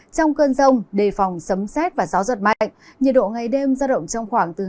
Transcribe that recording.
trong cơn rông đề phòng sấm xét và gió rất mạnh nhiệt độ ngày đêm giao động trong khoảng từ hai mươi bốn hai mươi chín độ